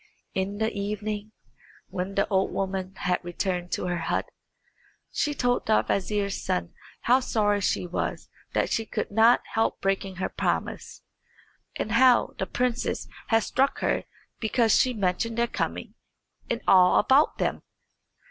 In the evening, when the old woman had returned to her hut, she told the vizier's son how sorry she was that she could not help breaking her promise, and how the princess had struck her because she mentioned their coming and all about them.